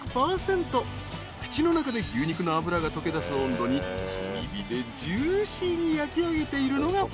［口の中で牛肉の脂が溶けだす温度に炭火でジューシーに焼きあげているのがポイント］